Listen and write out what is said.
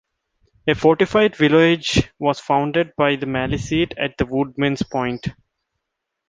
A fortified village was founded by the Maliseet at Woodman’s point.